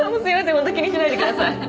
本当気にしないでください